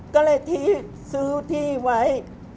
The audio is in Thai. ก็เลยที่ซื้อที่ไว้